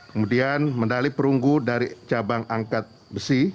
kemudian medali perunggu dari cabang angkat besi